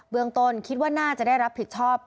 เมืองต้นคิดว่าน่าจะได้รับผิดชอบ